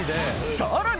さらに！